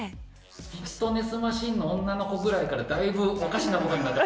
フィットネスマシンの女の子ぐらいから、だいぶ、おかしなことになってる。